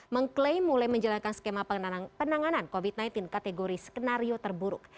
mengklaim mulai menjalankan skema penanganan covid sembilan belas kategori skenario terburuk